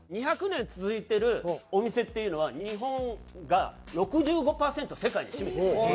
２００年続いてるお店っていうのは日本が６５パーセントを世界で占めてるんですよ。